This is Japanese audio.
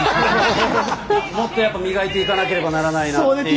もっとやっぱ磨いていかなければならないなっていう。